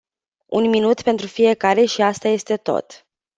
Un minut pentru fiecare și asta este tot.